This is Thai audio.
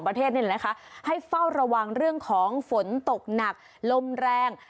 ระวังเรื่องของฝนตกหนักลมแรง